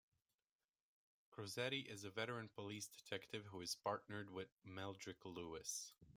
Crosetti is a veteran police detective who is partnered with Meldrick Lewis.